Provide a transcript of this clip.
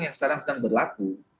yang sekarang sedang berlaku